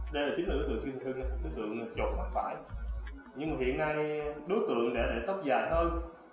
đây là đối tượng kim thành hưng trột mắt phải nhưng hiện nay đối tượng để tóc dài hơn